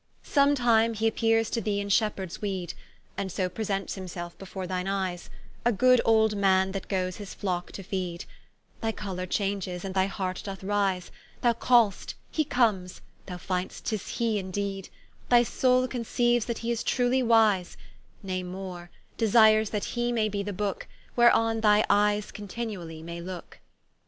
Sometime h'appeares to thee in Shepheards weed, And so presents himselfe before thine eyes, A good old man, that goes his flocke to feed; Thy colour changes, and thy heart doth rise; Thou call'st, he comes, thou find'st tis he indeed, Thy Soule conceaues that he is truely wise: Nay more, desires that he may be the Booke, Whereon thine eyes continually may looke.